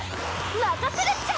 任せるっちゃ。